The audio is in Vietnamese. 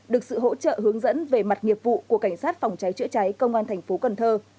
được sự hỗ trợ hướng dẫn về mặt nghiệp vụ của cảnh sát phòng cháy chữa cháy công an thành phố cần thơ